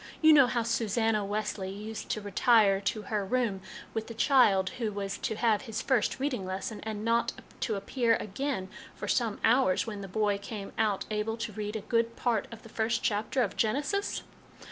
You know how Susanna Wesley used to retire to her room with the child who was to have his first reading lesson, and not to appear again for some hours, when the boy came out able to read a good part of the first chapter of Genesis?